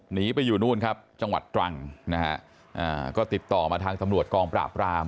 หนีไปอยู่นู่นครับจังหวัดตรังนะฮะอ่าก็ติดต่อมาทางตำรวจกองปราบราม